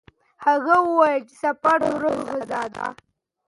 هغه وویل چې سفر د روح غذا ده.